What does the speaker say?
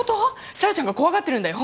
小夜ちゃんが怖がってるんだよ？